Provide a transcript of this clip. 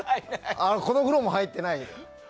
このお風呂も入ってないよ。